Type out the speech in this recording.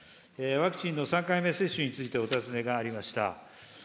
ワクチンの３回目接種についてお尋ねがありました。